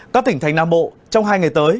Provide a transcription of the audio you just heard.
các tỉnh thành nam bộ trong hai ngày tới